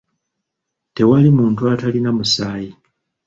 Tewali muntu atalina musaayi.